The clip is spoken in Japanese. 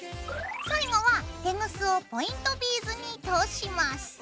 最後はテグスをポイントビーズに通します。